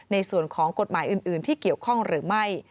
ในส่วนของกฎหมายอื่นที่เกี่ยวข้องหรือไม่